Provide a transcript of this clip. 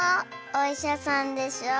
おいしゃさんでしょ